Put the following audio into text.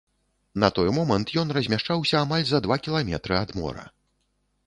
На той момант ён размяшчаўся амаль за два кіламетры ад мора.